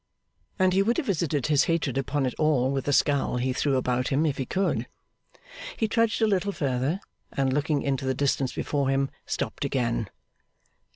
And he would have visited his hatred upon it all with the scowl he threw about him, if he could. He trudged a little further; and looking into the distance before him, stopped again.